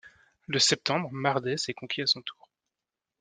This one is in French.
Le septembre, Maardes est conquis à son tour.